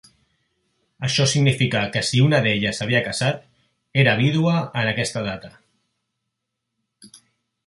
Això significa que si una d'ella s'havia casat, era vídua en aquesta data.